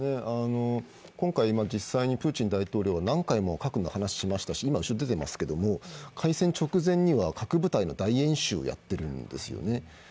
今回、実際にプーチン大統領は何回も核の話をしましたし、今、後ろに出ていますけれども、開戦直前には核部隊の大演習をやってるんですよね。